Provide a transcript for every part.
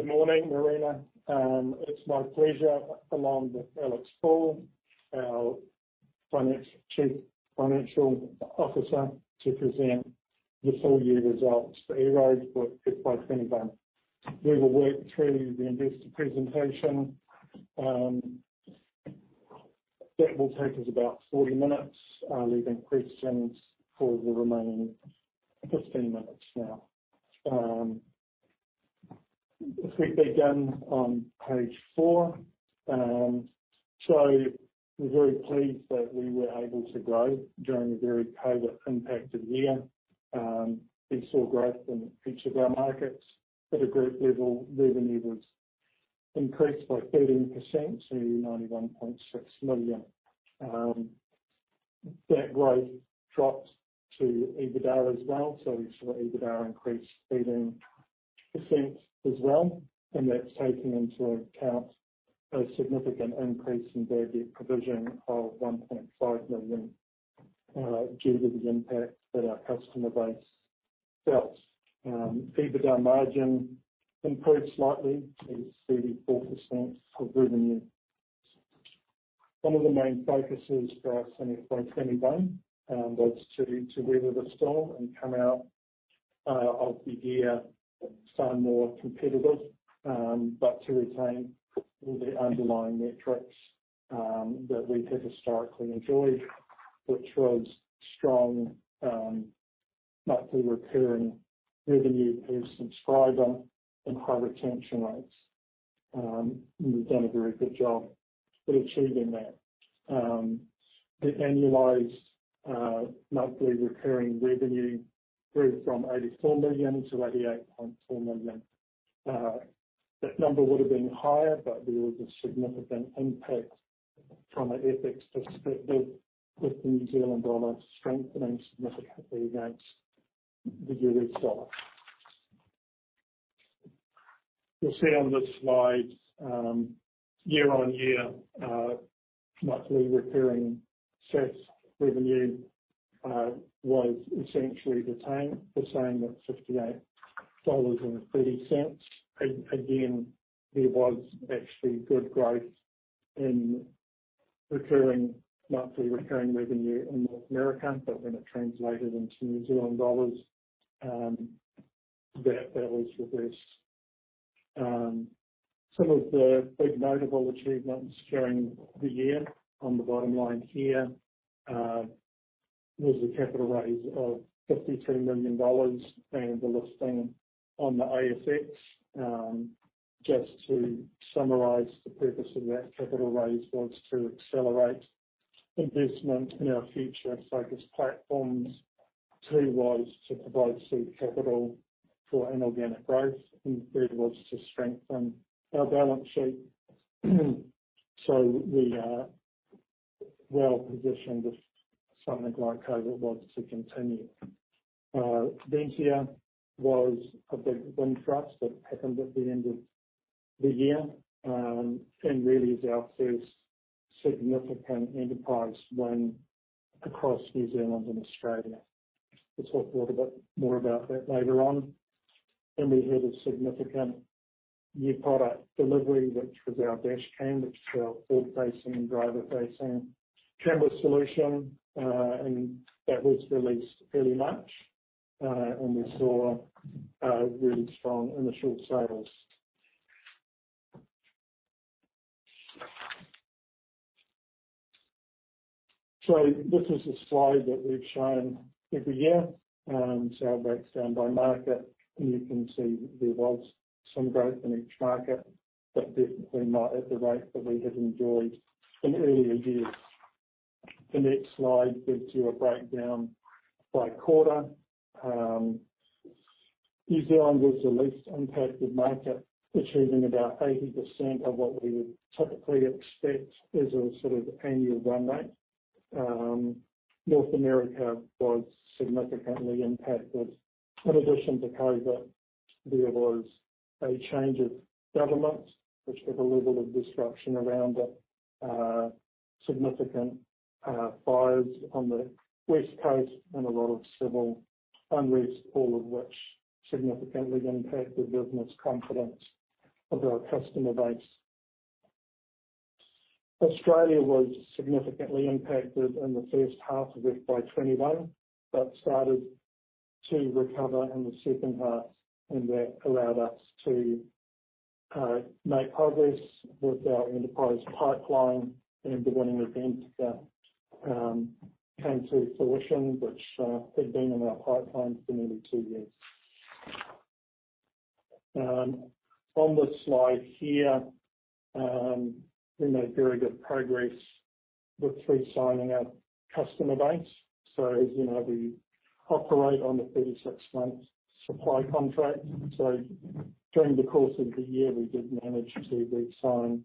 Good morning, Marina. It's my pleasure, along with Alex Ball, our Chief Financial Officer, to present the full year results for EROAD for FY 2021. We will work through the investor presentation. That will take us about 40 minutes, leaving questions for the remaining 15 minutes now. If we begin on page four. We're very pleased that we were able to grow during a very COVID-impacted year. We saw growth in each of our markets. At a group level, revenue was increased by 13% to 91.6 million. That growth dropped to EBITDA as well, so we saw EBITDA increase 13% as well, and that's taking into account a significant increase in bad debt provision of 1.5 million due to the impact that our customer base felt. EBITDA margin improved slightly to 34% of revenue. One of the main focuses for our FY 2021 was to weather the storm and come out of the year far more competitive, but to retain all the underlying metrics that we had historically enjoyed, which was strong monthly recurring revenue per subscriber and high retention rates. We've done a very good job of achieving that. The annualized monthly recurring revenue grew from 84 million-88.4 million. That number would have been higher, but there was a significant impact from FX, specifically with the New Zealand dollar strengthening significantly against the U.S. dollar. You'll see on the slides, year-on-year, monthly recurring SaaS revenue was essentially the same at 58.30 dollars. Again, there was actually good growth in monthly recurring revenue in North America, but when it translated into New Zealand dollars, that was reversed. Some of the big notable achievements during the year, on the bottom line here, was a capital raise of 53 million dollars and the listing on the ASX. Just to summarize, the purpose of that capital raise was to accelerate investment in our future focus platforms. Two was to provide seed capital for inorganic growth, and three was to strengthen our balance sheet. We are well-positioned if something like COVID was to continue. Ventia was a big win for us. That happened at the end of the year, and really is our first significant enterprise win across New Zealand and Australia. We'll talk a little bit more about that later on. We had a significant new product delivery, which was our dashcam, which is our road-facing and driver-facing camera solution, and that was released early March, and we saw really strong initial sales. This is a slide that we've shown every year, so that's down by market, and you can see there was some growth in each market, but definitely not at the rate that we had enjoyed in earlier years. The next slide gives you a breakdown by quarter. New Zealand was the least impacted market, achieving about 80% of what we would typically expect as a sort of annual run rate. North America was significantly impacted. In addition to COVID, there was a change of government, which had a little bit of disruption around it, significant fires on the West Coast and a lot of civil unrest, all of which significantly impacted business confidence of our customer base. Australia was significantly impacted in the first half of FY 2021, started to recover in the second half, that allowed us to make progress with our enterprise pipeline and the winning of Ventia, hence our solution, which had been in our pipeline for nearly two years. On the slide here, we made very good progress with re-signing our customer base. As you know, we operate on a 36-month supply contract. During the course of the year, we did manage to re-sign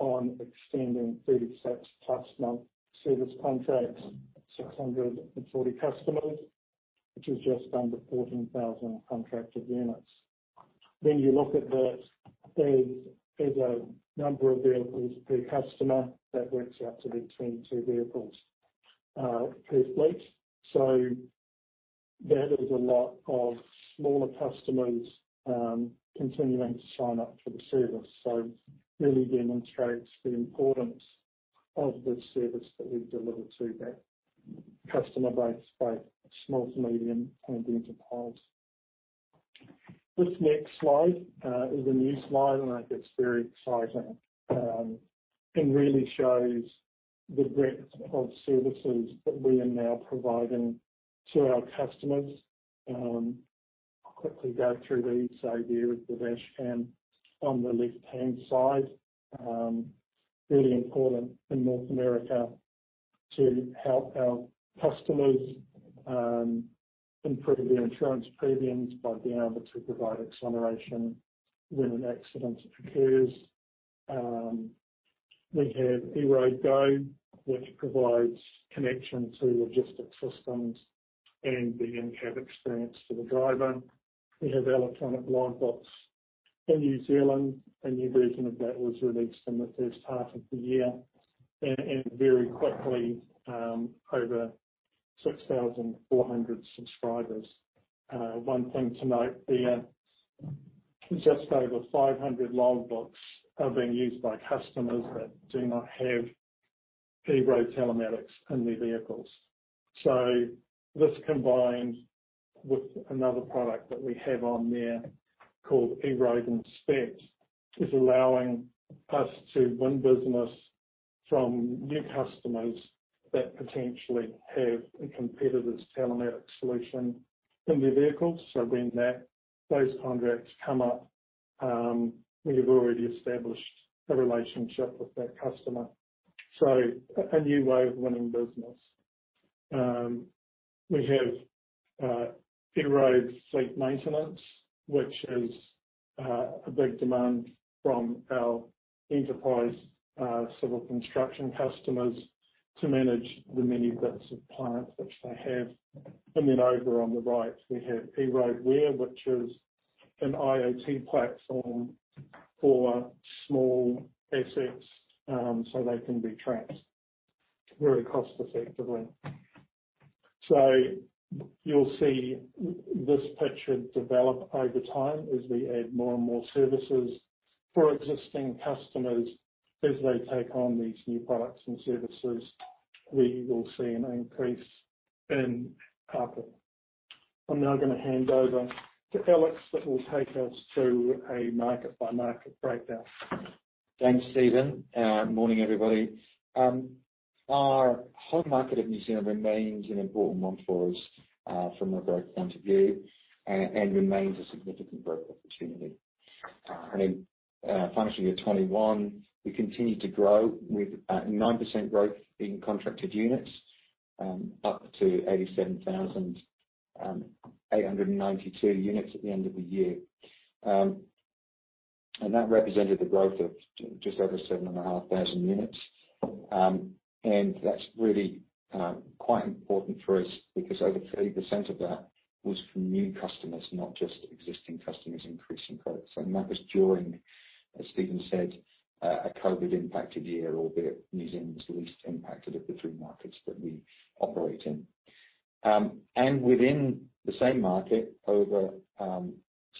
on extending 36+ month service contracts, 640 customers, which is just under 14,000 contracted units. When you look at the vehicles per customer, that works out to be 22 vehicles per fleet. That is a lot of smaller customers continuing to sign up for the service. Really demonstrates the importance of the service that we deliver to that customer base, both small, medium, and enterprise. This next slide is a new slide, and I think it's very exciting, and really shows the breadth of services that we are now providing to our customers. I'll quickly go through these. There is the dashcam on the left-hand side. Really important in North America to help our customers improve their insurance premiums by being able to provide acceleration when an accident occurs. We have EROAD Go, which provides connection to logistic systems and the in-cab experience to the driver. We have electronic logbooks in New Zealand. A new version of that was released in the first half of the year. Very quickly, over 6,400 subscribers. One thing to note there, just over 500 logbooks are being used by customers that do not have EROAD telematics in their vehicles. This combined with another product that we have on there, called EROAD Inspect, is allowing us to win business from new customers that potentially have a competitor's telematics solution in their vehicles. When those contracts come up, we've already established a relationship with that customer. A new way of winning business. We have EROAD Fleet Maintenance, which is a big demand from our enterprise civil construction customers to manage the many bits of plant which they have. Over on the right, we have EROAD Where, which is an IoT platform for small assets, so they can be tracked very cost effectively. You'll see this picture develop over time as we add more and more services for existing customers. As they take on these new products and services, we will see an increase in ARPU. I'm now going to hand over to Alex, who will take us through a market-by-market breakdown. Thanks, Steven. Morning, everybody. Our home market of New Zealand remains an important one for us, from a growth point of view and remains a significant growth opportunity. In financial year 2021, we continued to grow with 9% growth in contracted units, up to 87,892 units at the end of the year. That represented the growth of just over 7,500 units. That's really quite important for us because over 30% of that was from new customers, not just existing customers increasing products. That was during, as Steven said, a COVID-impacted year, albeit New Zealand's least impacted of the three markets that we operate in. Within the same market, over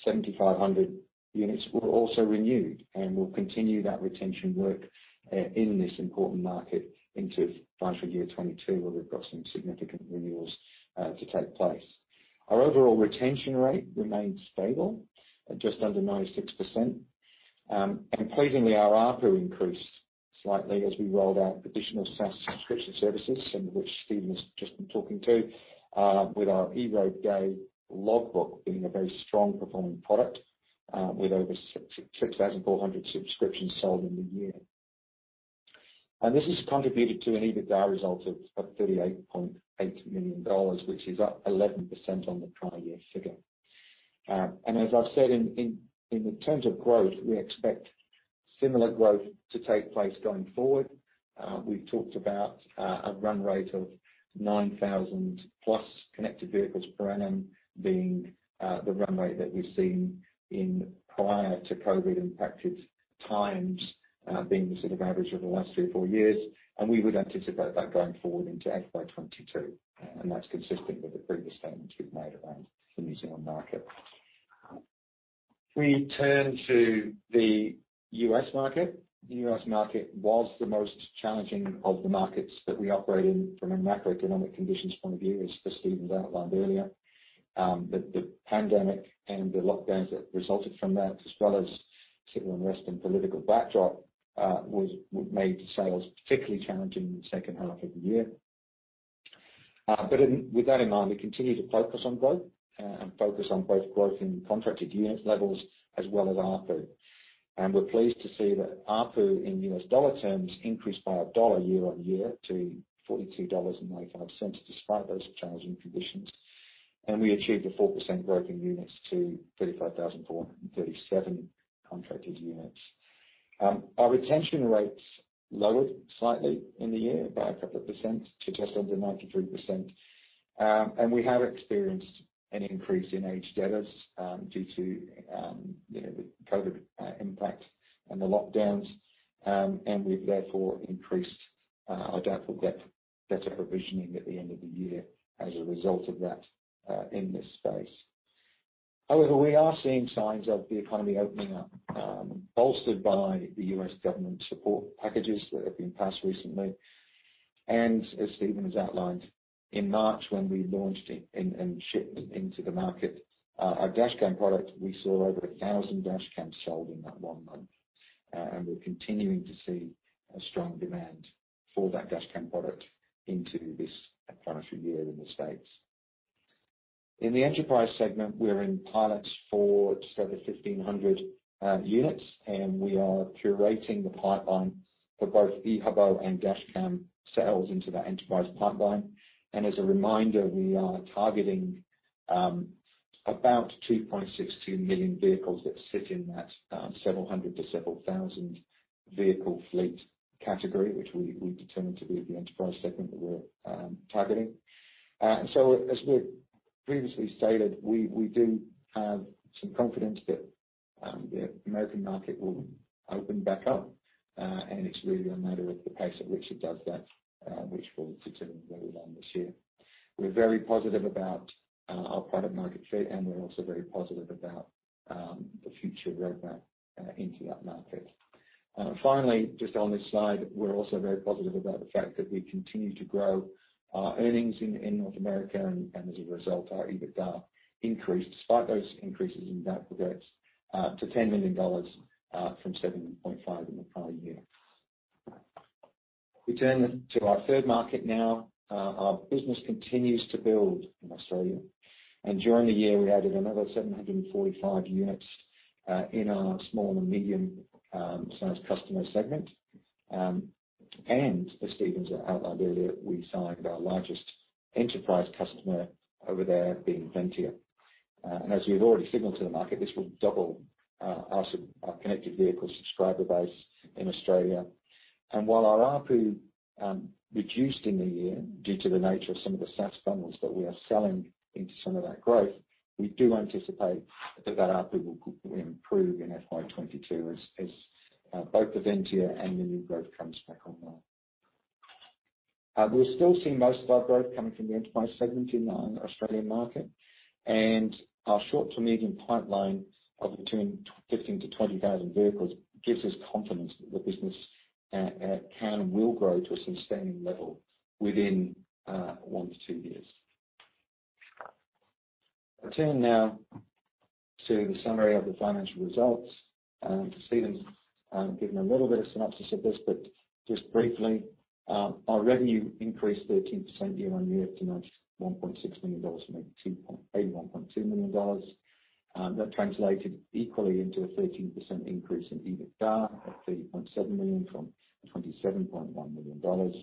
7,500 units were also renewed. We'll continue that retention work in this important market into FY 2022, where we've got some significant renewals to take place. Our overall retention rate remains stable at just under 96%. Pleasingly, our ARPU increased slightly as we rolled out additional SaaS subscription services, some of which Steven's just been talking to, with our EROAD Go logbook being a very strong performing product with over 6,400 subscriptions sold in the year. This has contributed to an EBITDA result of 38.8 million dollars, which is up 11% on the prior year's figure. As I've said, in terms of growth, we expect similar growth to take place going forward. We've talked about a run rate of 9,000+ connected vehicles per annum being the run rate that we've seen in prior to COVID-impacted times, being the sort of average of the last three or four years. We would anticipate that going forward into FY 2022, and that's consistent with the previous statements we've made around the New Zealand market. If we turn to the U.S. market. The U.S. market was the most challenging of the markets that we operate in from a macroeconomic conditions point of view, as Steven's outlined earlier. The pandemic and the lockdowns that resulted from that, as well as civil unrest and political backdrop, made sales particularly challenging in the second half of the year. With that in mind, we continue to focus on growth and focus on both growth in contracted unit levels as well as ARPU. We're pleased to see that ARPU in U.S. dollar terms increased by $1 year on year to $42.95, despite those challenging conditions. We achieved a 4% growth in units to 35,437 contracted units. Our retention rates lowered slightly in the year, about a couple of percent to just under 93%. We have experienced an increase in age debtors due to COVID impact and the lockdowns. We've therefore increased. I don't think we'll get to provisioning at the end of the year as a result of that in this space. However, we are seeing signs of the economy opening up, bolstered by the US government support packages that have been passed recently. As Steven has outlined, in March, when we launched and shipped into the market our dashcam product, we saw over 1,000 dashcams sold in that one month. We're continuing to see a strong demand for that dashcam product into this current year in the U.S. In the enterprise segment, we're in pilots for just over 1,500 units, and we are curating the pipeline for both Ehubo and dashcam sales into that enterprise pipeline. As a reminder, we are targeting about 2.62 million vehicles that sit in that several hundred to several thousand vehicle fleet category, which we determine to be the enterprise segment that we're targeting. As we've previously stated, we do have some confidence that the American market will open back up, and it's really a matter of the pace at which it does that, which will determine where we are this year. We're very positive about our product market fit, and we're also very positive about the future roadmap into that market. Finally, just on this slide, we're also very positive about the fact that we continue to grow our earnings in North America, and as a result, our EBITDA increased despite those increases in bad debt to 10 million dollars from 7.5 million in the prior year. We turn to our third market now. Our business continues to build in Australia, and during the year, we added another 745 units in our small and medium-sized customer segment. As Steven has outlined earlier, we signed our largest enterprise customer over there being Ventia. As we've already signaled to the market, this will double our connected vehicle subscriber base in Australia. While our ARPU reduced in the year due to the nature of some of the SaaS bundles that we are selling into some of that growth, we do anticipate that that ARPU will improve in FY 2022 as both Ventia and the new growth comes back online. We're still seeing most of our growth coming from the enterprise segment in our Australian market, and our short to medium pipeline of between 15,000-20,000 vehicles gives us confidence that the business can and will grow to a sustaining level within one to two years. I turn now to the summary of the financial results. Steven's given a little bit of synopsis of this, but just briefly, our revenue increased 13% year-over-year to 91.6 million dollars from 81.2 million dollars. That translated equally into a 13% increase in EBITDA of 30.7 million from 27.1 million dollars.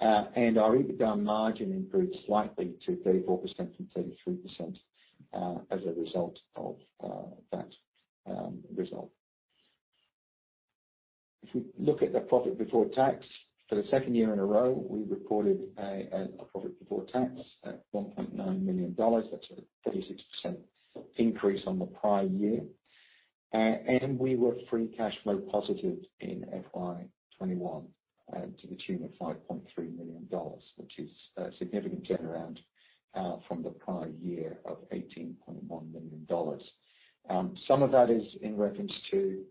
Our EBITDA margin improved slightly to 34% from 33% as a result of that result. If we look at the profit before tax, for the second year in a row, we reported a profit before tax at 1.9 million dollars. That's a 36% increase on the prior year. We were free cash flow positive in FY 2021 to the tune of 5.3 million dollars, which is a significant turnaround from the prior year of 18.1 million dollars. Some of that is in reference to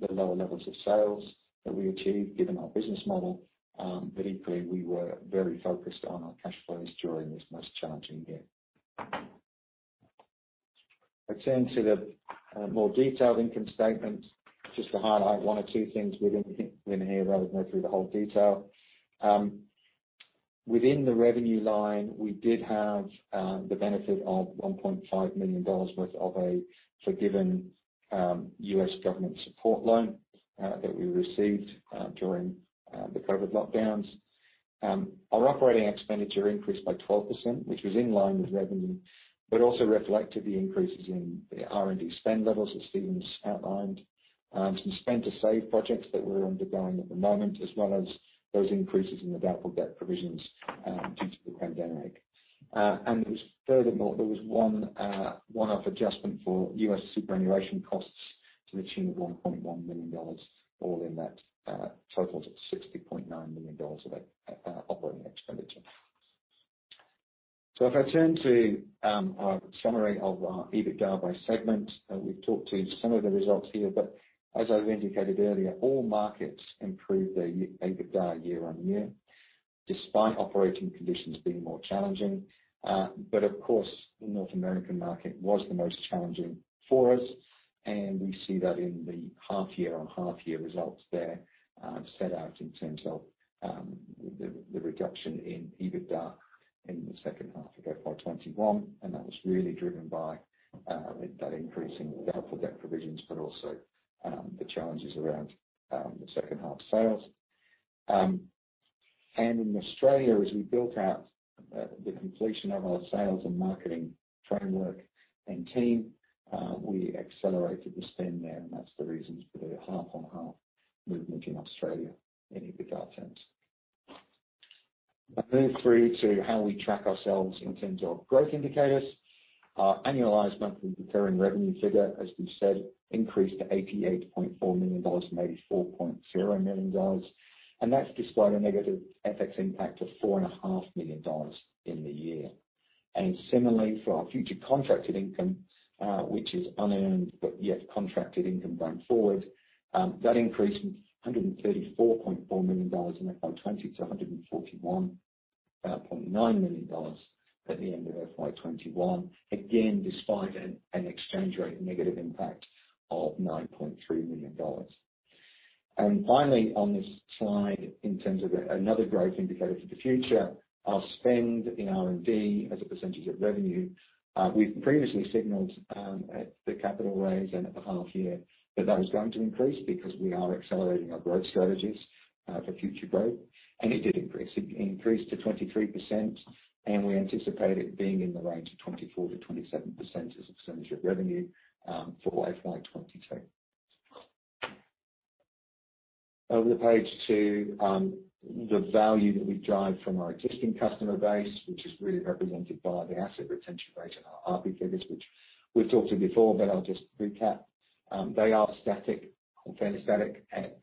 the lower levels of sales that we achieved given our business model. Equally, we were very focused on our cash flows during this most challenging year. I turn to the more detailed income statement just to highlight one or two things within here rather than go through the whole detail. Within the revenue line, we did have the benefit of $1.5 million worth of a forgiven U.S. government support loan that we received during the COVID lockdowns. Our operating expenditure increased by 12%, which was in line with revenue, but also reflective of the increases in the R&D spend levels that Steven has outlined. Some spend-to-save projects that we're undergoing at the moment, as well as those increases in the bad debt provisions due to the pandemic. Furthermore, there was one-off adjustment for U.S. superannuation costs to the tune of 1.1 million dollars, all in that totals of 60.9 million dollars of operating expenditure. If I turn to our summary of our EBITDA by segment, we've talked to some of the results here, but as I indicated earlier, all markets improved their EBITDA year-on-year, despite operating conditions being more challenging. Of course, the North American market was the most challenging for us, and we see that in the half-year on half-year results there set out in terms of the reduction in EBITDA in the second half of FY 2021, and that was really driven by that increase in the bad debt provisions, but also the challenges around the second-half sales. In Australia, as we built out the completion of our sales and marketing framework and team, we accelerated the spend there, and that's the reasons for the half-on-half movement in Australia in EBITDA terms. I move through to how we track ourselves in terms of growth indicators. Our annualized monthly recurring revenue figure, as we said, increased to 88.4 million dollars from 84.0 million dollars, that's despite a negative FX impact of 4.5 million dollars in the year. Similarly, for our future contracted income, which is unearned but yet contracted income going forward, that increased from NZD 134.4 million in FY 2020 to NZD 141.9 million at the end of FY 2021, again, despite an exchange rate negative impact of 9.3 million dollars. Finally, on this slide, in terms of another growth indicator for the future, our spend in R&D as a percentage of revenue. We've previously signaled at the capital raise and at the half year that that was going to increase because we are accelerating our growth strategies for future growth. It did increase. It increased to 23%, and we anticipate it being in the range of 24%-27% as a percentage of revenue for FY 2022. Over the page to the value that we derive from our existing customer base, which is really represented by the asset retention rate and our ARPU figures, which we've talked to before, but I'll just recap. They are static or fairly static at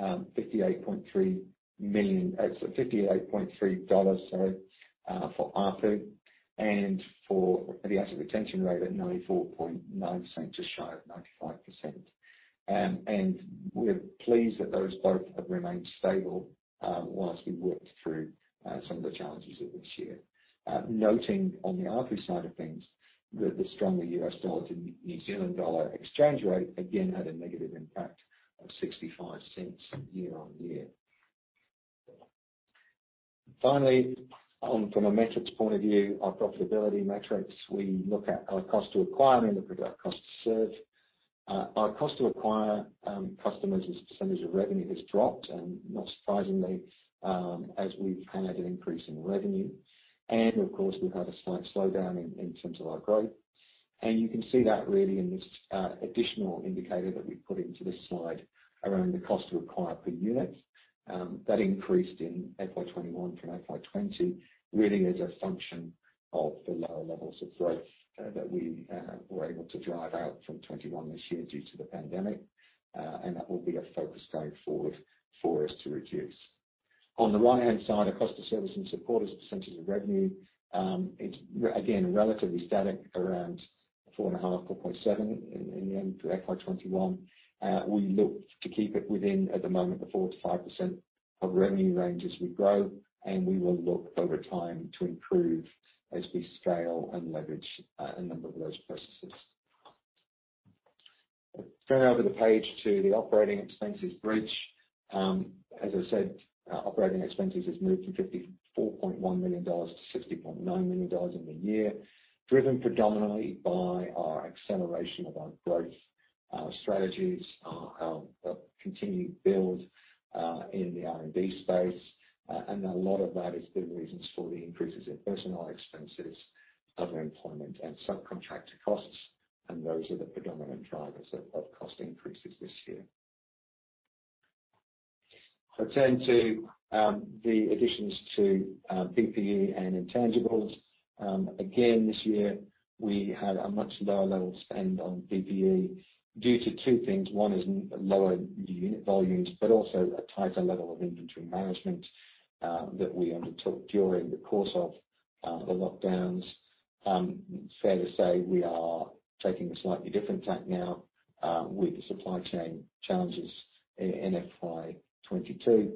58.3, sorry, for ARPU and for the asset retention rate of 94.9%, just shy of 95%. We're pleased that those both have remained stable while we worked through some of the challenges of this year. Noting on the ARPU side of things that the stronger U.S. dollar to New Zealand dollar exchange rate again had a negative impact of 0.65 year-on-year. Finally, from a metrics point of view, our profitability metrics, we look at our cost to acquire and then our cost to serve. Our cost to acquire customers as a percentage of revenue has dropped, not surprisingly, as we've had an increase in revenue. Of course, we've had a slight slowdown in terms of our growth. You can see that really in this additional indicator that we've put into this slide around the cost to acquire per unit. That increased in FY 2021 from FY 2020, really as a function of the lower levels of growth that we were able to drive out from 2021 this year due to the pandemic. That will be a focus going forward for us to reduce. On the right-hand side, our cost of service and support as a percentage of revenue. It's again, relatively static around 4.5%, 4.7% at the end of FY 2021. We look to keep it within at the moment the 4%-5% of revenue range as we grow, and we will look over time to improve as we scale and leverage a number of those processes. Going over the page to the operating expenses bridge. As I said, operating expenses has moved from 54.1 million-60.9 million dollars in the year, driven predominantly by our acceleration of our growth strategies, our continued build in the R&D space. A lot of that is the reasons for the increases in personnel expenses, other employment, and subcontractor costs. Those are the predominant drivers of cost increases this year. If I turn to the additions to PP&E and intangibles. Again, this year, we had a much lower level spend on PP&E due to two things. One is lower unit volumes, also a tighter level of inventory management that we undertook during the course of the lockdowns. Fair to say, we are taking a slightly different tack now with the supply chain challenges in FY 2022,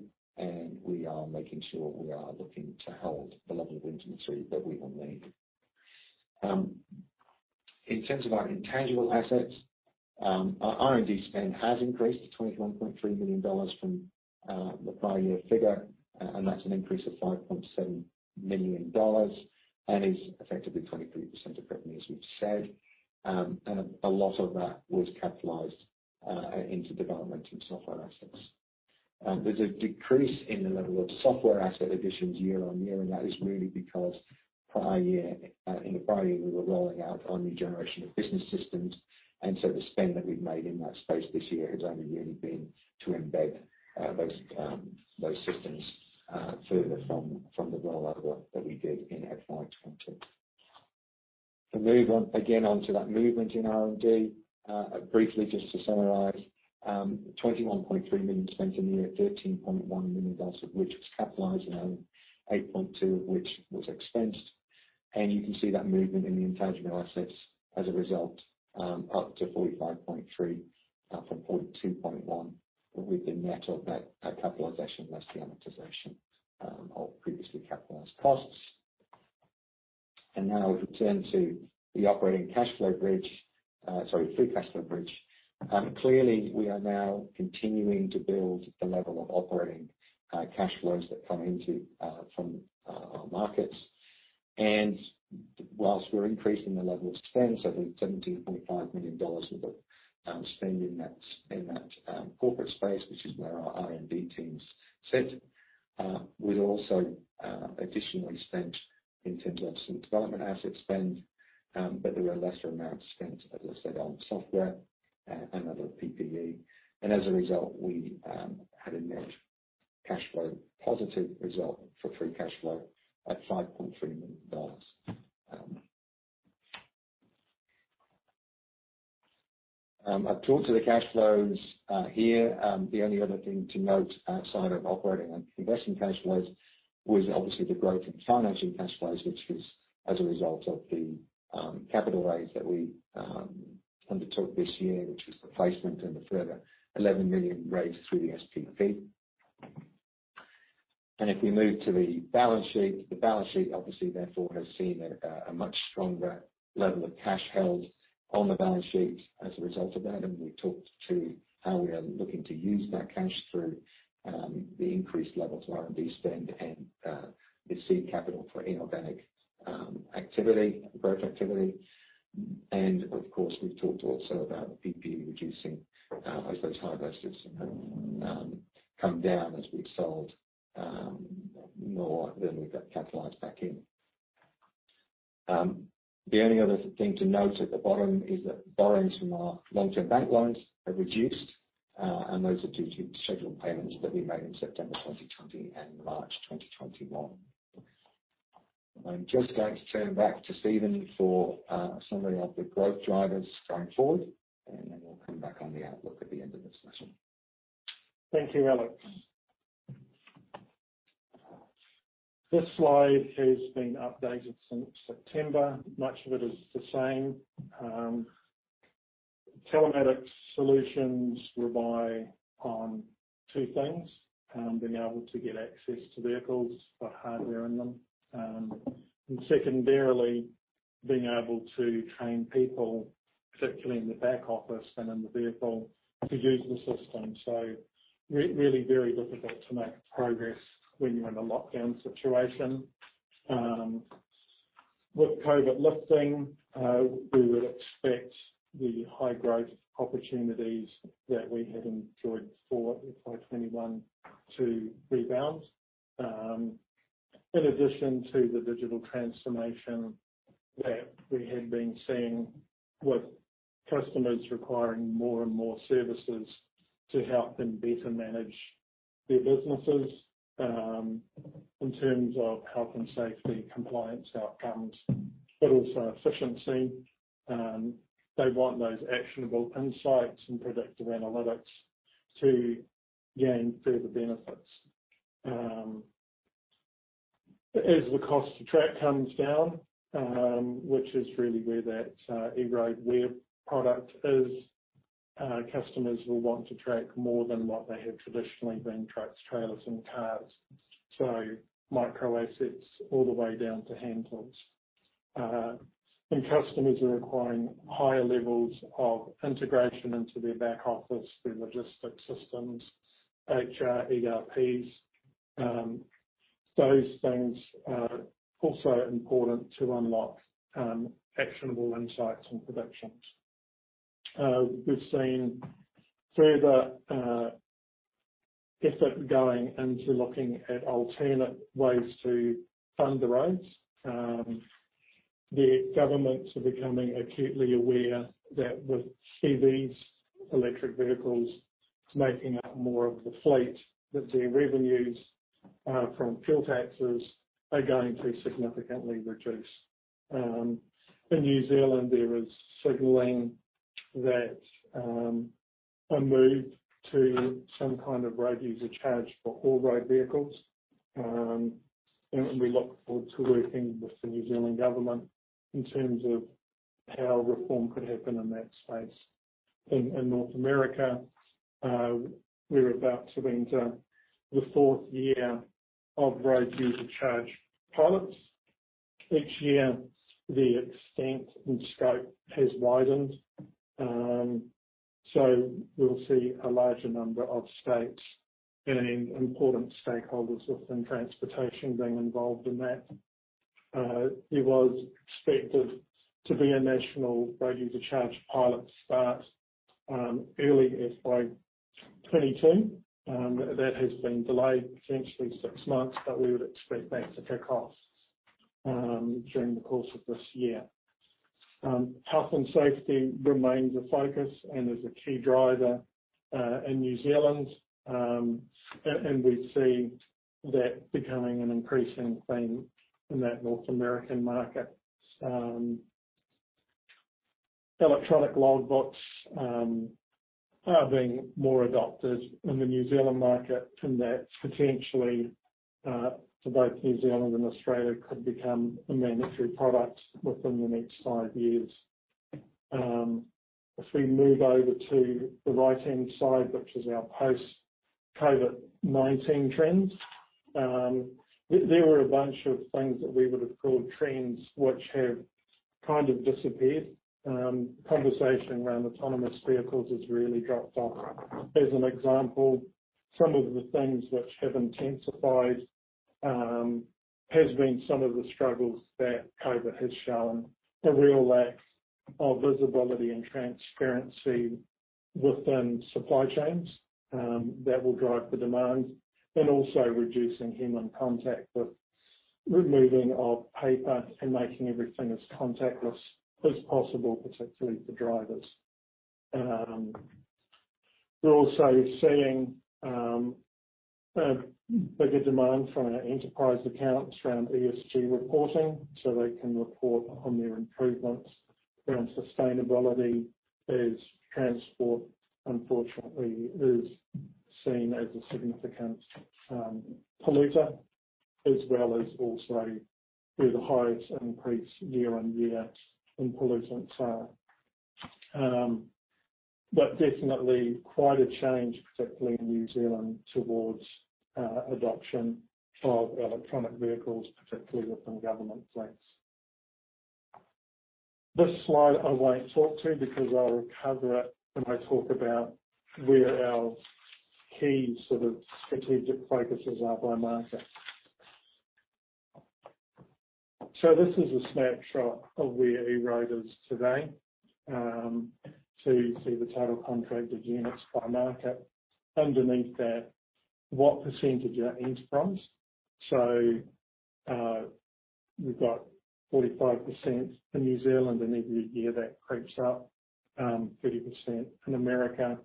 we are making sure we are looking to hold the level of inventory that we will need. In terms of our intangible assets, our R&D spend has increased to 21.3 million dollars from the prior year figure, that's an increase of 5.7 million dollars. That is effectively 23% of revenues, we've said. A lot of that was capitalized into development and software assets. There's a decrease in the level of software asset additions year-on-year, that is really because in the prior year, we were rolling out our new generation of business systems. The spend that we've made in that space this year has only really been to embed those systems further from the rollout that we did in FY 2020. Move on again onto that movement in R&D. Briefly, just to summarize, 21.3 million spent in the year, 13.1 million dollars of which was capitalized, 8.2 million of which was expensed. You can see that movement in the intangible assets as a result, up to 45.3 million from 42.1 million with the net of that capitalization less the amortization of previously capitalized costs. If we turn to the operating cash flow bridge, sorry, free cash flow bridge. Clearly, we are now continuing to build the level of operating cash flows that come into from our markets. While we're increasing the level of spend, there's NZD 17.5 million of spend in that corporate space, which is where our R&D team sits. We've also additionally spent in terms of some development asset spend. There were lesser amounts spent, as I said, on software and other PP&E. As a result, we had a net cash flow positive result for free cash flow at 5.3 million dollars. I've talked to the cash flows here. The only other thing to note outside of operating and investing cash flows was obviously the growth in financing cash flows, which was as a result of the capital raise that we undertook this year, which was the placement and the further 11 million raised through the SPP. If we move to the balance sheet, the balance sheet obviously therefore has seen a much stronger level of cash held on the balance sheet as a result of that. We talked to how we are looking to use that cash through the increased level of R&D spend and the seed capital for inorganic growth activity. Of course, we've talked also about PP&E reducing as those high risks have come down as we've sold more than we've got capitalized back in. The only other thing to note at the bottom is that borrowings from our long-term bank loans have reduced, and those are due to the scheduled payments that we made in September 2020 and March 2021. I'm just going to turn back to Steven for a summary of the growth drivers going forward, and then we'll come back on the outlook at the end of this session. Thank you, Alex. This slide has been updated since September. Much of it is the same. Telematics solutions rely on two things, being able to get access to vehicles for hardware in them, and secondarily, being able to train people, particularly in the back office and in the vehicle, to use the system. Really very difficult to make progress when you're in a lockdown situation. With COVID lifting, we would expect the high growth opportunities that we had enjoyed before FY 2021 to rebound. In addition to the digital transformation that we had been seeing with customers requiring more and more services to help them better manage their businesses, in terms of health and safety, compliance outcomes, but also efficiency. They want those actionable insights and predictive analytics to gain further benefits. As the cost to track comes down, which is really where that EROAD Where product is, customers will want to track more than what they have traditionally been, trucks, trailers, and cars. So micro assets all the way down to handhelds. And customers are requiring higher levels of integration into their back office, their logistics systems, HR, ERPs. Those things are also important to unlock actionable insights and predictions. We've seen further effort going into looking at alternate ways to fund the roads. The governments are becoming acutely aware that with EVs, electric vehicles, making up more of the fleet, that their revenues from fuel taxes are going to be significantly reduced. In New Zealand, there is signaling that a move to some kind of road user charge for all road vehicles. We look forward to working with the New Zealand Government in terms of how reform could happen in that space. In North America, we're about to enter the fourth year of road user charge pilots. Each year, the extent and scope has widened. We'll see a larger number of states and important stakeholders within transportation being involved in that. There was expected to be a national road user charge pilot to start early FY 2022. That has been delayed potentially six months. We would expect that to kick off during the course of this year. Health and safety remains a focus and is a key driver in New Zealand. We see that becoming an increasing theme in that North American market. Electronic logbooks are being more adopted in the New Zealand market, and that potentially for both New Zealand and Australia could become a mandatory product within the next five years. If we move over to the right-hand side, which is our post-COVID-19 trends. There were a bunch of things that we would have called trends which have kind of disappeared. Conversation around autonomous vehicles has really dropped off. As an example, some of the things which have intensified, has been some of the struggles that COVID has shown, a real lack of visibility and transparency within supply chains that will drive the demand, and also reducing human contact with removing of paper and making everything as contactless as possible, particularly for drivers. We're also seeing a bigger demand from our enterprise accounts around ESG reporting, so they can report on their improvements around sustainability as transport, unfortunately, is seen as a significant polluter, as well as also where the highest increase year-on-year in pollutants are. Definitely quite a change, particularly in New Zealand, towards adoption of electronic vehicles, particularly within government fleets. This slide I won't talk to because I'll cover it when I talk about where our key strategic focuses are by market. This is a snapshot of where EROAD is today. You see the total contracted units by market. Underneath that, what percentage are enterprise. We've got 45% for New Zealand, and every year that creeps up, 30% in America.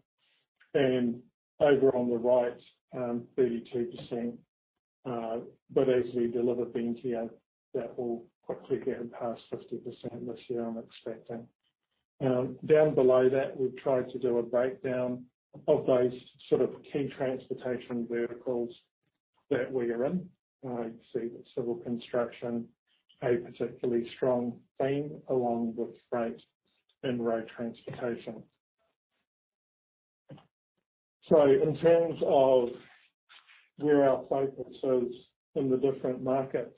Over on the right, 32%. As we deliver Ventia, that will quickly get past 50% this year, I'm expecting. Down below that, we've tried to do a breakdown of those key transportation verticals that we are in. You can see that civil construction, a particularly strong theme along with freight and road transportation. In terms of where our focus is in the different markets,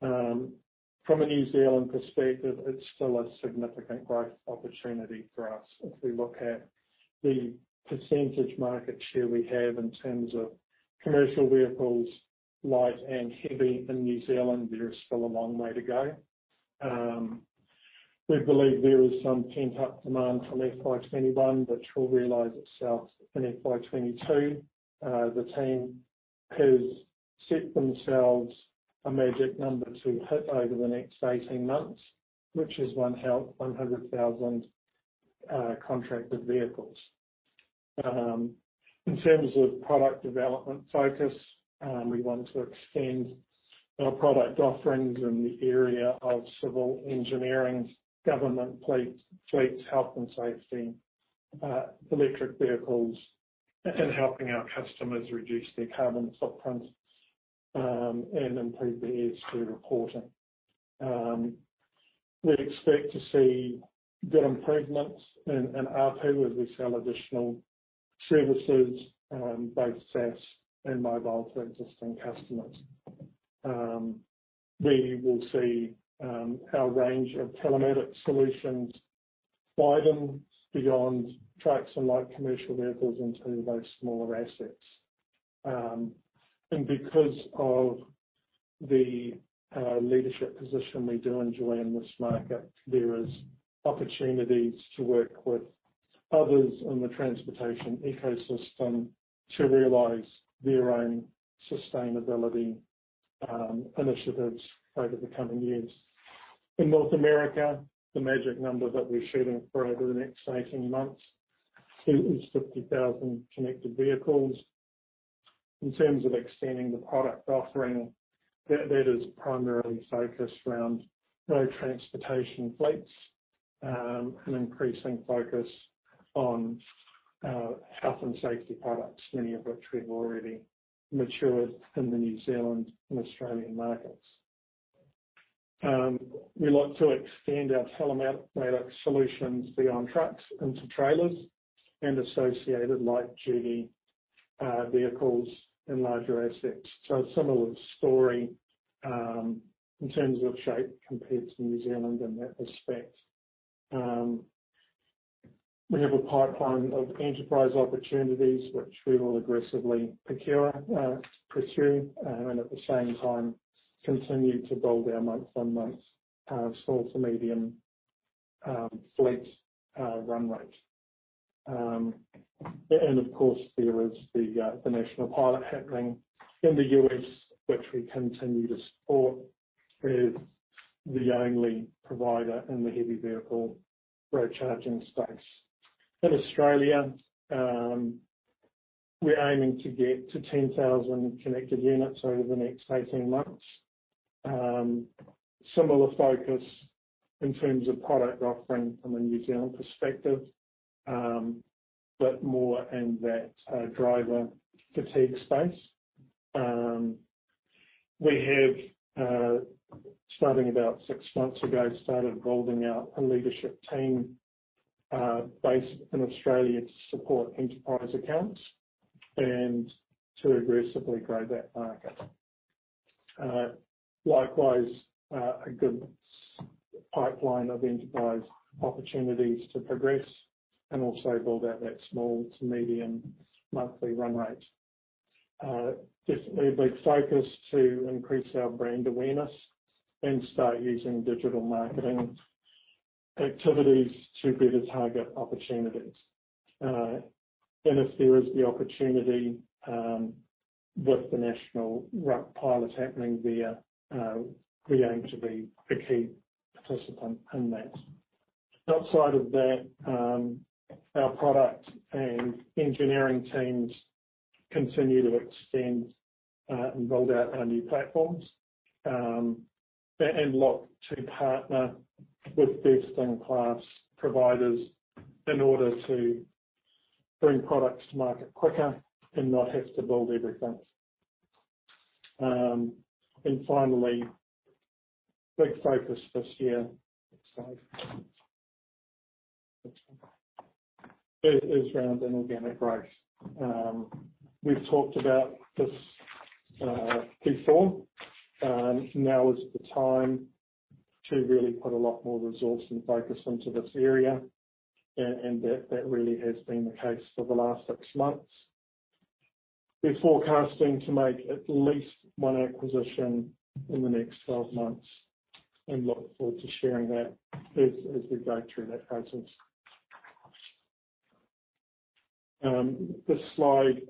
from a New Zealand perspective, it's still a significant growth opportunity for us. If we look at the percentage market share we have in terms of commercial vehicles, light and heavy in New Zealand, there is still a long way to go. We believe there is some pent-up demand from FY 2021, which will realize itself in FY 2022. The team has set themselves a magic number to hit over the next 18 months, which is 100,000 contracted vehicles. In terms of product development focus, we want to extend our product offerings in the area of civil engineering, government fleets, health and safety, electric vehicles, and helping our customers reduce their carbon footprint and improve their ESG reporting. We'd expect to see good improvements in ARPU as we sell additional services, both SaaS and mobile to existing customers. We will see our range of telematics solutions widen beyond trucks and light commercial vehicles into those smaller assets. Because of the leadership position we do enjoy in this market, there is opportunities to work with others in the transportation ecosystem to realize their own sustainability initiatives over the coming years. In North America, the magic number that we're shooting for over the next 18 months is 50,000 connected vehicles. In terms of extending the product offering, that is primarily focused around road transportation fleets, an increasing focus on health and safety products, many of which we've already matured in the New Zealand and Australian markets. We'd like to extend our telematics solutions beyond trucks into trailers and associated light-duty vehicles and larger assets. Similar story, in terms of shape compared to New Zealand in that respect. We have a pipeline of enterprise opportunities which we will aggressively procure, pursue, and at the same time, continue to build our month-on-month small to medium fleet run rate. Of course, there is the national pilot happening in the U.S., which we continue to support as the only provider in the heavy vehicle road charging space. In Australia, we're aiming to get to 10,000 connected units over the next 18 months. Similar focus in terms of product offering from a New Zealand perspective, but more in that driver fatigue space. We have, starting about six months ago, started building out a leadership team based in Australia to support enterprise accounts and to aggressively grow that market. Likewise, a good pipeline of enterprise opportunities to progress and also build out that small to medium monthly run rate. Definitely big focus to increase our brand awareness and start using digital marketing activities to better target opportunities. If there is the opportunity with the national RUC pilot happening there, we aim to be a key participant in that. Outside of that, our product and engineering teams continue to extend and build out our new platforms, and look to partner with best-in-class providers in order to bring products to market quicker and not have to build everything. Finally, big focus this year is around inorganic growth. We've talked about this before. Now is the time to really put a lot more resource and focus into this area. That really has been the case for the last six months. We're forecasting to make at least one acquisition in the next 12 months and look forward to sharing that as we go through that process. This slide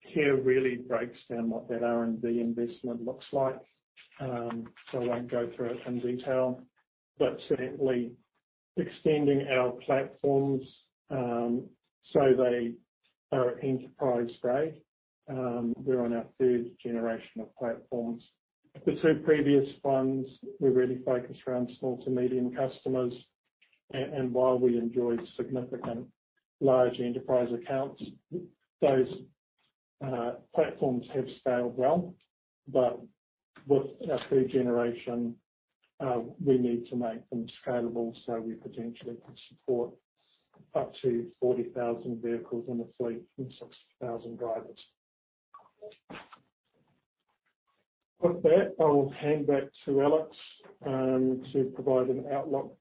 here really breaks down what that R&D investment looks like. I won't go through it in detail. Certainly extending our platforms, so they are enterprise grade. We're on our third generation of platforms. The two previous ones were really focused around small to medium customers. While we enjoyed significant large enterprise accounts, those platforms have scaled well. With our third generation, we need to make them scalable, so we potentially can support up to 40,000 vehicles in a fleet and 60,000 drivers. With that, I will hand back to Alex to provide an outlook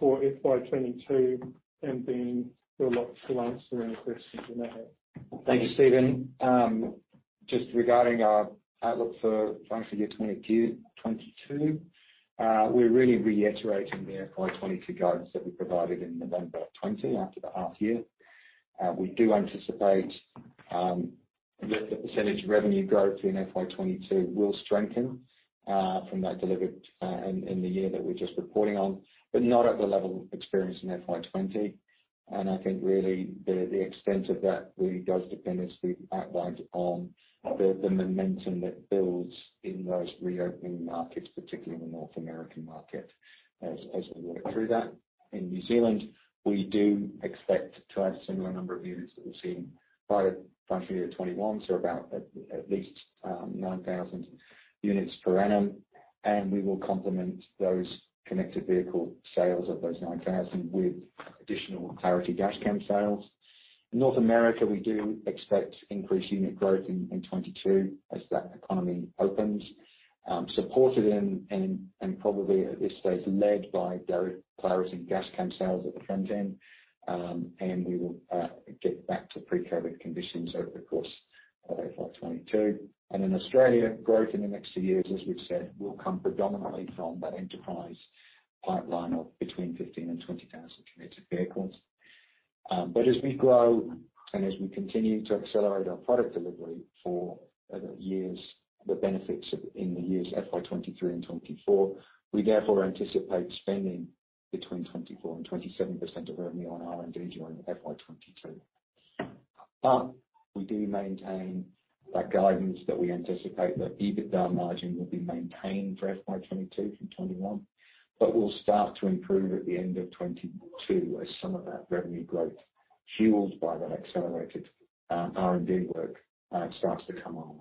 for FY 2022 and then we'll look to answer any questions you may have. Thanks, Steven. Regarding our outlook for FY 2022, we're really reiterating the FY 2022 guidance that we provided in November 2020, after the half year. We do anticipate that the percentage revenue growth in FY 2022 will strengthen from that delivered in the year that we're just reporting on, but not at the level experienced in FY 2020. I think really the extent of that really does depend, as we've outlined, on the momentum that builds in those reopening markets, particularly the North American market, as we work through that. In New Zealand, we do expect to have a similar number of units that we've seen by FY 2021, so about at least 9,000 units per annum. We will complement those connected vehicle sales of those 9,000 with additional Clarity Dashcam sales. In North America, we do expect increased unit growth in 2022 as that economy opens, supported and probably at this stage led by Clarity Dashcam sales at the front end. We will get back to pre-COVID conditions over the course of FY 2022. In Australia, growth in the next two years, as we've said, will come predominantly from that enterprise pipeline of between 15,000 and 20,000 connected vehicles. As we grow and as we continue to accelerate our product delivery for the benefits in the years FY 2023 and 2024, we therefore anticipate spending between 24% and 27% of revenue on R&D during FY 2022. We do maintain that guidance that we anticipate that EBITDA margin will be maintained for FY 2022 from FY 2021, but will start to improve at the end of FY 2022 as some of that revenue growth fueled by that accelerated R&D work starts to come online.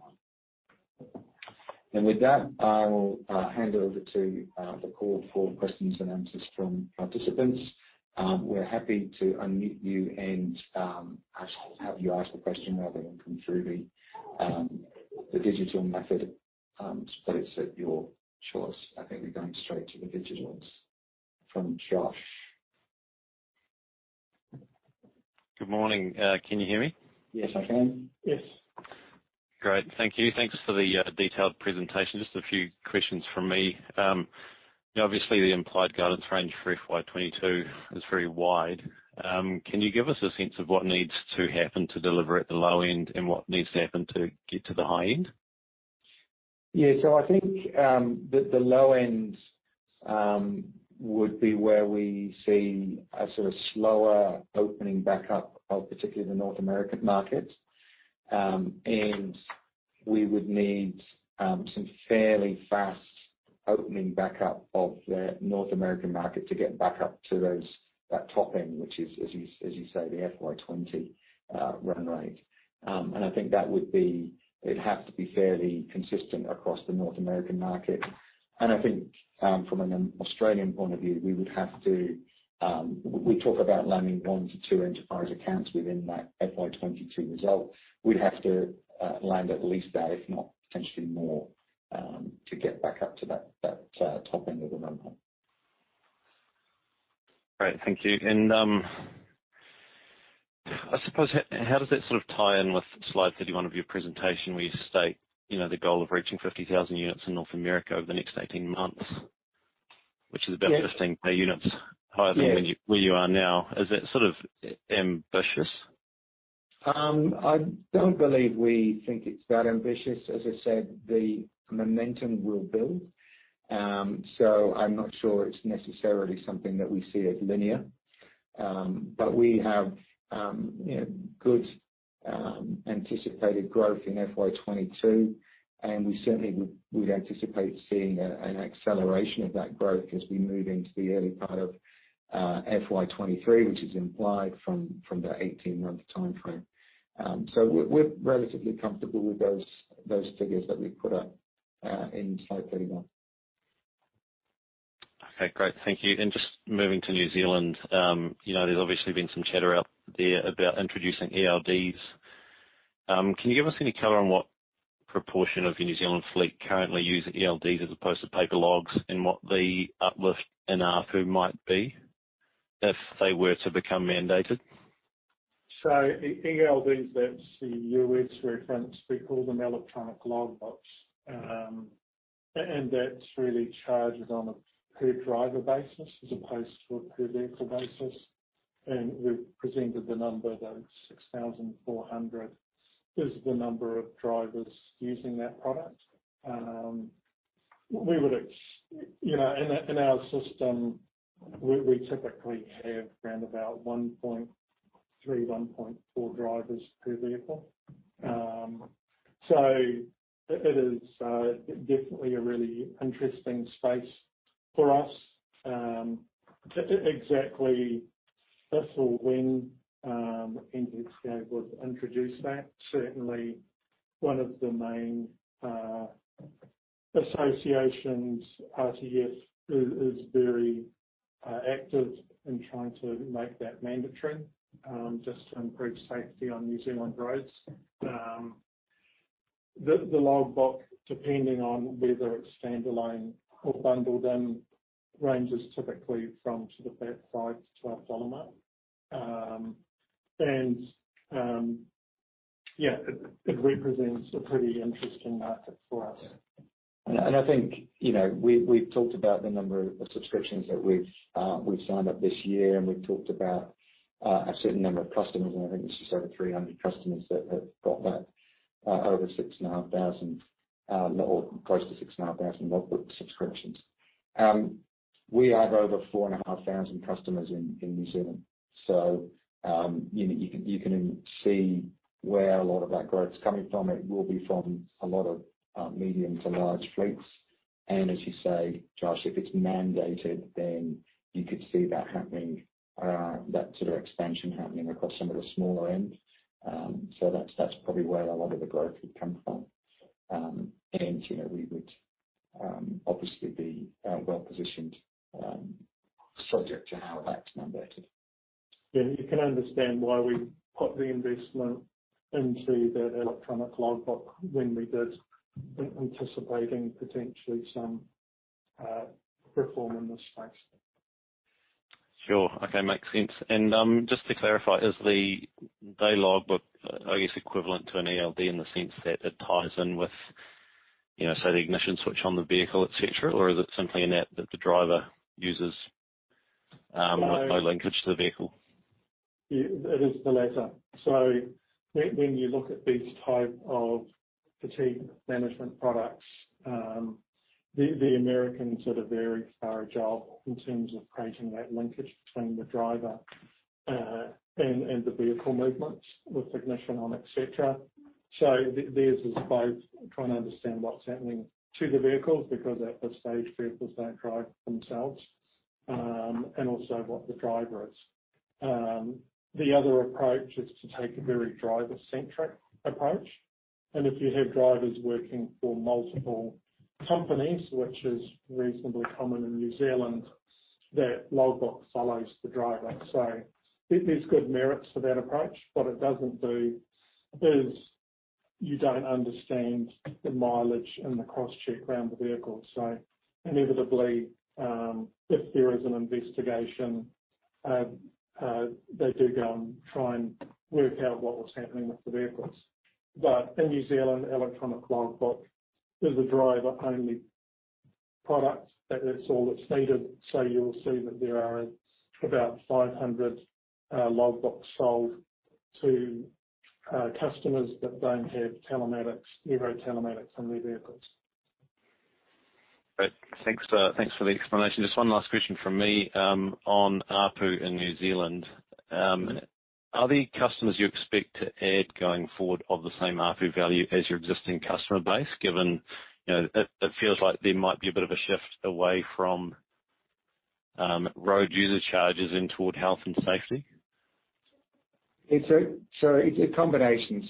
With that, I'll hand over to the call for questions and answers from participants. We're happy to unmute you and have you ask the question rather than come through the digital method. It's at your choice. I think we're going straight to the digital from Josh. Good morning. Can you hear me? Yes, I can. Yes. Great. Thank you. Thanks for the detailed presentation. Just a few questions from me. Obviously, the implied guidance range for FY 2022 is very wide. Can you give us a sense of what needs to happen to deliver at the low end and what needs to happen to get to the high end? Yeah. I think that the low end would be where we see a sort of slower opening back up of particularly the North American market. We would need some fairly fast opening back up of the North American market to get back up to that top end, which is, as you say, the FY 2020 run rate. I think it'd have to be fairly consistent across the North American market. I think from an Australian point of view, we talk about landing one to two enterprise accounts within that FY 2022 result. We'd have to land at least that, if not potentially more, to get back up to that top end of the run rate. Great. Thank you. I suppose, how does that tie in with slide 31 of your presentation where you state the goal of reaching 50,000 units in North America over the next 18 months, which is about 15,000 units higher than where you are now. Is that ambitious? I don't believe we think it's that ambitious. As I said, the momentum will build. I'm not sure it's necessarily something that we see as linear. We have good anticipated growth in FY 2022, and we certainly would anticipate seeing an acceleration of that growth as we move into the early part of FY 2023, which is implied from the 18-month timeframe. We're relatively comfortable with those figures that we put up in slide 31. Okay, great. Thank you. Just moving to New Zealand, there's obviously been some chatter out there about introducing ELDs. Can you give us any color on what proportion of your New Zealand fleet currently use ELDs as opposed to paper logs, and what the uplift in ARPU might be if they were to become mandated? ELDs, that's the EWD reference. We call them electronic logbooks. That's really charged on a per-driver basis as opposed to a per-vehicle basis. We've presented the number, though, 6,400 is the number of drivers using that product. In our system, we typically have around about 1.3, 1.4 drivers per vehicle. It is definitely a really interesting space for us. Exactly if or when NZTA would introduce that. Certainly, one of the main associations, RTF, is very active in trying to make that mandatory, just to improve safety on New Zealand roads. The logbook, depending on whether it's standalone or bundled in, ranges typically from 2-3 dollar mark. Yeah, it represents a pretty interesting market for us. I think, we've talked about the number of subscriptions that we've signed up this year, and we've talked about a certain number of customers, I think it's just over 300 customers that have got that over 6,500 or close to 6,500 logbook subscriptions. We have over 4,500 customers in New Zealand. You can see where a lot of that growth is coming from. It will be from a lot of medium to large fleets. As you say, Josh, if it's mandated, then you could see that happening, that sort of expansion happening across some of the smaller end. That's probably where a lot of the growth would come from. We would obviously be well-positioned subject to how that's mandated. Yeah, you can understand why we put the investment into that electronic logbook when we did, anticipating potentially some reform in this space. Sure. Okay. Makes sense. Just to clarify, is the logbook, I guess, equivalent to an ELD in the sense that it ties in with, say, the ignition switch on the vehicle, et cetera? Or is it simply an app that the driver uses with no linkage to the vehicle? It is the latter. When you look at these type of fatigue management products, the Americans are very agile in terms of creating that linkage between the driver and the vehicle movements with ignition on, et cetera. Theirs is both trying to understand what's happening to the vehicles, because at this stage, vehicles don't drive themselves, and also what the driver is. The other approach is to take a very driver-centric approach. If you have drivers working for multiple companies, which is reasonably common in New Zealand, that logbook follows the driver. There's good merits for that approach. What it doesn't do is you don't understand the mileage and the cross-check around the vehicle. Inevitably, if there is an investigation, they do go and try and work out what was happening with the vehicles. In New Zealand, electronic logbook is a driver-only product, and that's all that's needed. You'll see that there are about 500 logbooks sold to customers that don't have telematics, EROAD telematics in their vehicles. Great. Thanks for the explanation. Just one last question from me on ARPU in New Zealand. Are the customers you expect to add going forward of the same ARPU value as your existing customer base, given it feels like there might be a bit of a shift away from road user charges in toward health and safety? It's a combination.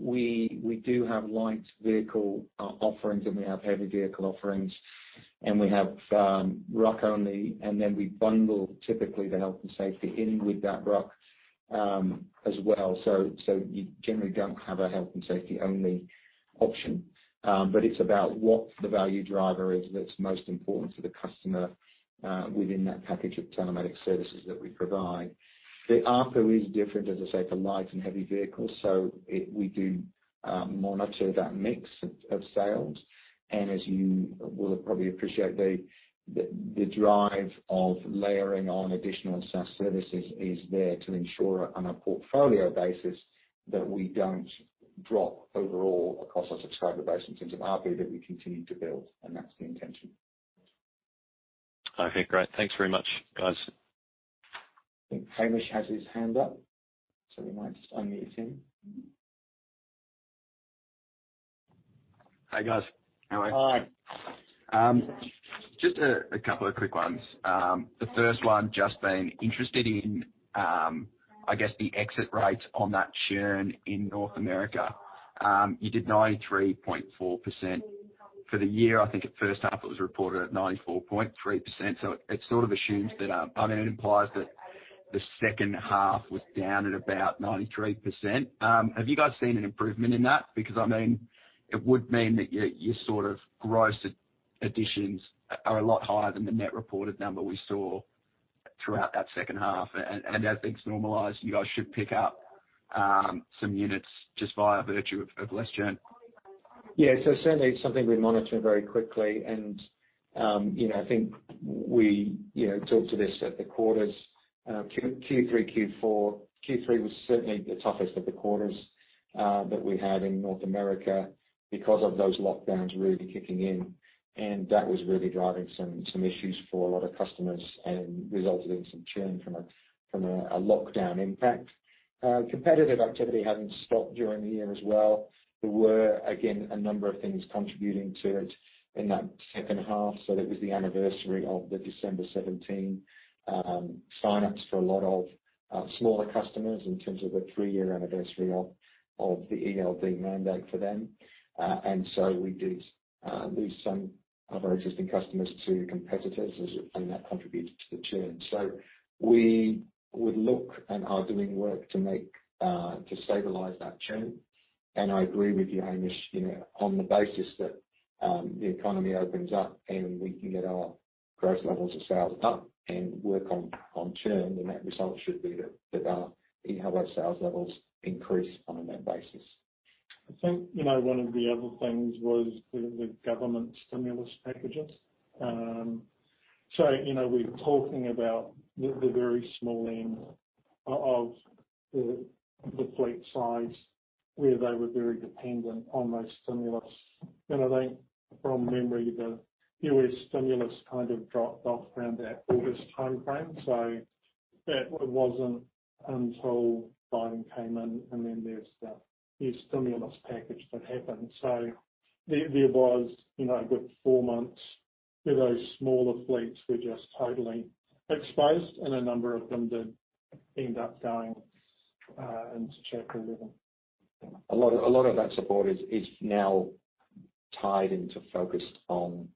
We do have light vehicle offerings, and we have heavy vehicle offerings, and we have RUC only, and then we bundle typically the health and safety in with that RUC. As well. You generally don't have a health and safety only option. It's about what the value driver is that's most important to the customer within that package of telematic services that we provide. The ARPU is different, as I say, for light and heavy vehicles. We do monitor that mix of sales. As you will probably appreciate, the drive of layering on additional SaaS services is there to ensure on a portfolio basis that we don't drop overall across our subscriber base in terms of ARPU, that we continue to build, and that's the intention. Okay, great. Thanks very much, guys. I think Hamish has his hand up, so we might unmute him. Hey, guys. How are you? Hi. Just a couple of quick ones. The first one just being interested in, I guess, the exit rates on that churn in North America. You did 93.4% for the year. I think at half it was reported at 94.3%. It sort of assumes that, or implies that the second half was down at about 93%. Have you guys seen an improvement in that? It would mean that your gross additions are a lot higher than the net reported number we saw throughout that second half. As things normalize, you guys should pick up some units just by virtue of less churn. Yeah. Certainly something we monitor very quickly. I think we talked to this at the quarters Q3, Q4. Q3 was certainly the toughest of the quarters that we had in North America because of those lockdowns really kicking in. That was really driving some issues for a lot of customers and resulted in some churn from a lockdown impact. Competitive activity hadn't stopped during the year as well. There were, again, a number of things contributing to it in that second half. That was the anniversary of the December 17 sign-ups for a lot of smaller customers in terms of the three-year anniversary of the ELD mandate for them. We did lose some of our interesting customers to competitors, and that contributed to the churn. We would look and are doing work to stabilize that churn. I agree with you, Hamish, on the basis that the economy opens up and we can get our growth levels of sales up and work on churn, then that result should be that our sales levels increase on a net basis. I think one of the other things was the government stimulus packages. We're talking about the very small end of the fleet size, where they were very dependent on those stimulus. I think from memory, the U.S. stimulus kind of dropped off around that August timeframe. That wasn't until Biden came in and then there's the stimulus package that happened. There was a good four months where those smaller fleets were just totally exposed, and a number of them did end up going into Chapter 11. A lot of that support is now tied into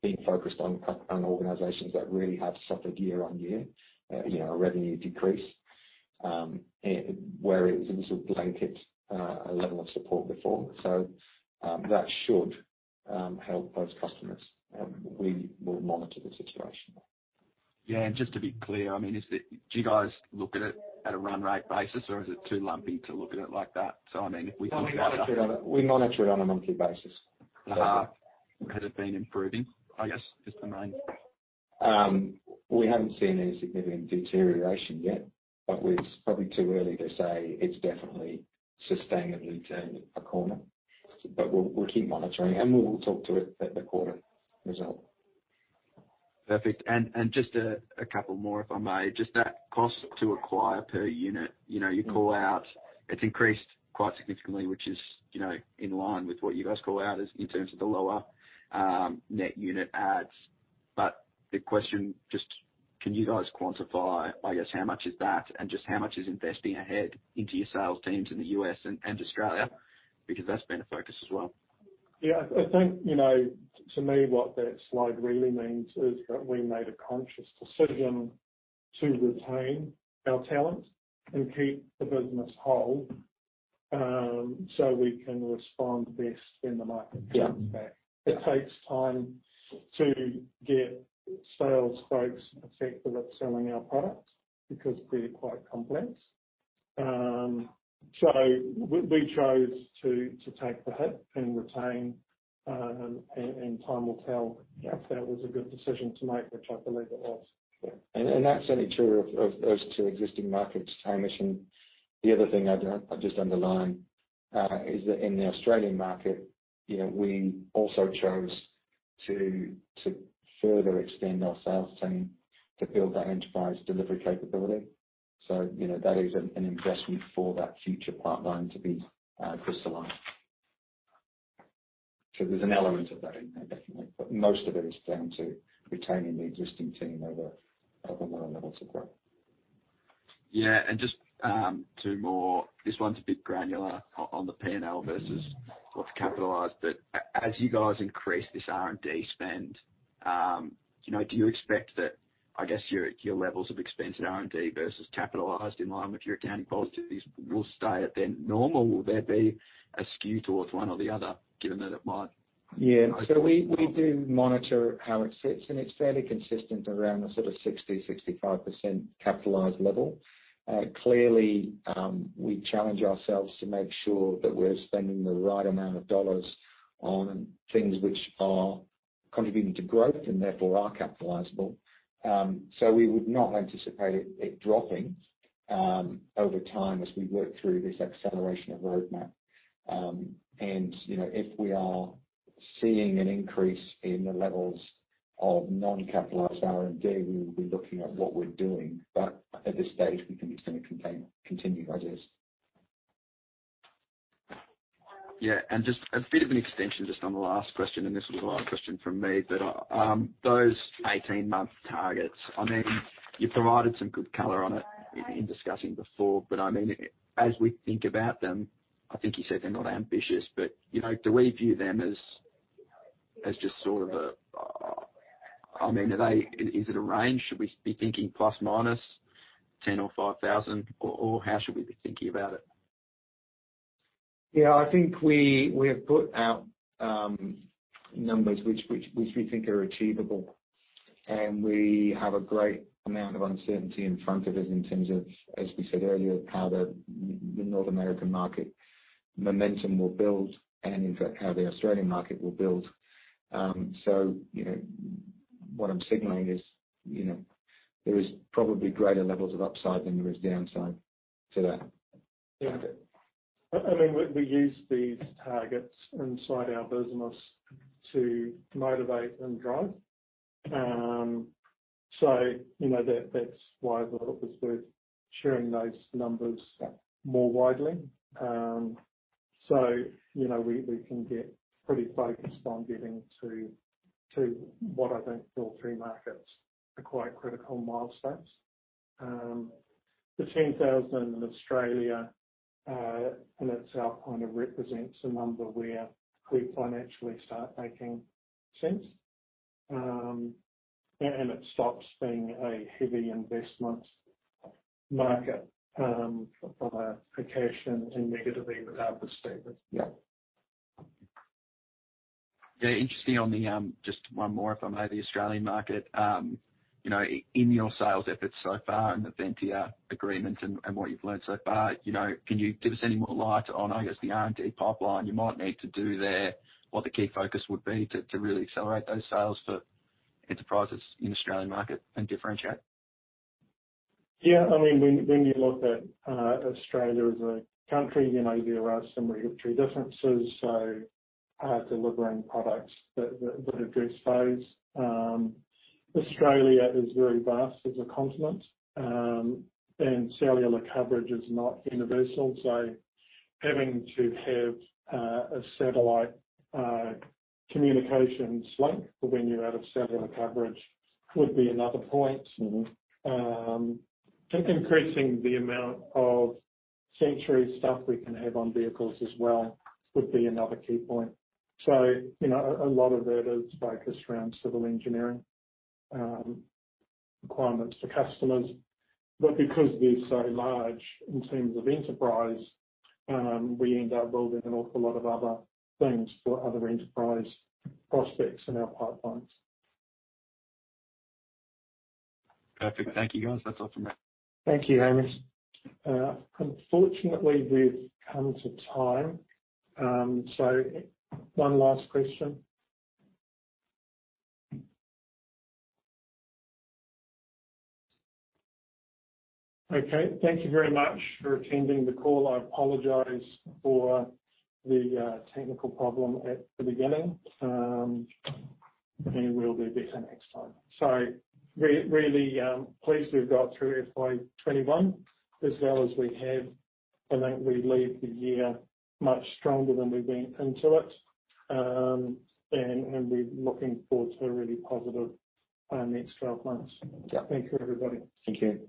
being focused on organizations that really have suffered year on year, a revenue decrease, where it was a blanket level of support before. That should help those customers. We will monitor the situation. Yeah. Just to be clear, do you guys look at it at a run rate basis or is it too lumpy to look at it like that? We monitor it on a monthly basis. Has it been improving, I guess is the? We haven't seen any significant deterioration yet, but it's probably too early to say it's definitely sustainably turned a corner. We'll keep monitoring and we will talk to it at the quarter result. Perfect. Just a couple more if I may. Just that cost to acquire per unit. You call out it's increased quite significantly, which is in line with what you guys call out in terms of the lower net unit adds. The question, just can you guys quantify, I guess, how much is that and just how much is investing ahead into your sales teams in the U.S. and Australia? Because that's been a focus as well. I think, to me what that slide really means is that we made a conscious decision to retain our talent and keep the business whole so we can respond best when the market comes back. It takes time to get sales folks effective at selling our products because they're quite complex. We chose to take the hit and retain, and time will tell if that was a good decision to make, which I believe it was. Yeah. That's only true of those two existing markets, Hamish. The other thing I'd just underline is that in the Australian market we also chose to further extend our sales team to build that enterprise delivery capability. That is an investment for that future pipeline to be crystalline. There's an element of that in there definitely, but most of it is down to retaining the existing team over lower levels of growth. Yeah. Just two more. This one's a bit granular on the P&L versus capitalized. As you guys increase this R&D spend, do you expect that your levels of expense in R&D versus capitalized in line with your accounting policies will stay at their normal, or will there be a skew towards one or the other? Yeah. We do monitor how it sits, and it's fairly consistent around the 60%-65% capitalized level. Clearly, we challenge ourselves to make sure that we're spending the right amount of dollars on things which are contributing to growth and therefore are capitalizable. We would not anticipate it dropping over time as we work through this acceleration of roadmap. If we are seeing an increase in the levels of non-capitalized R&D, we will be looking at what we're doing. At this stage, we think it's going to continue as is. Yeah. Just a bit of an extension just on the last question, and this is the last question from me. Those 18-month targets, you provided some good color on it in discussing before. As we think about them, I think you said they're not ambitious, but do we view them as just sort of a range? Should we be thinking ±10 or 5,000, or how should we be thinking about it? Yeah. I think we have put out numbers which we think are achievable, and we have a great amount of uncertainty in front of us in terms of, as we said earlier, how the North American market momentum will build and, in fact, how the Australian market will build. What I'm signaling is there is probably greater levels of upside than there is downside to that. Yeah. We use these targets inside our business to motivate and drive. That's why obviously we're sharing those numbers more widely. We can get pretty focused on getting to what I think all three markets are quite critical milestones. The 10,000 in Australia on its own kind of represents a number where we financially start making sense. It stops being a heavy investment market for the application to negatively impact the statement. Yep. Yeah. Interesting. On the, just one more if I may, the Australian market. In your sales efforts so far and the Ventia agreement and what you've learned so far, can you give us any more light on the R&D pipeline you might need to do there, what the key focus would be to really sell those sales to enterprises in the Australian market and differentiate? Yeah. When you look at Australia as a country, there are some regulatory differences, delivering products that address those. Australia is very vast as a continent, and cellular coverage is not universal. Having to have a satellite communications link for when you're out of cellular coverage would be another point. Increasing the amount of sensory stuff we can have on vehicles as well would be another key point. A lot of that is focused around civil engineering requirements for customers. Because they're so large in terms of enterprise, we end up rolling an awful lot of other things for other enterprise prospects in our pipelines. Perfect. Thank you. That's all from me. Thank you, Hamish. Unfortunately, we've come to time. One last question. Okay, thank you very much for attending the call. I apologize for the technical problem at the beginning. We'll do better next time. Really pleased we got through FY 2021 as well as we have. I think we leave the year much stronger than we went into it. We're looking forward to a really positive next 12 months. Thank you, everybody. Thank you.